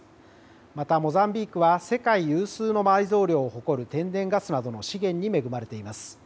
また、モザンビークは世界有数の埋蔵量を誇る天然ガスなどの資源に恵まれています。